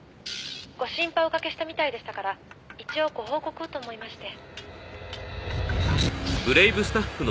「ご心配おかけしたみたいでしたから一応ご報告をと思いまして」